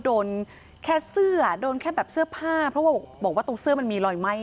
โดนแค่เสื้อโดนแค่แบบเสื้อผ้าเพราะว่าบอกว่าตรงเสื้อมันมีรอยไหม้